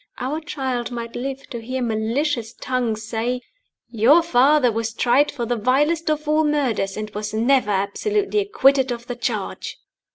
Our child might live to hear malicious tongues say, "Your father was tried for the vilest of all murders, and was never absolutely acquitted of the charge."